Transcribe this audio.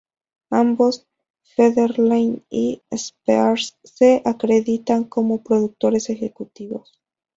Ambos Federline y Spears se acreditan como productores ejecutivos.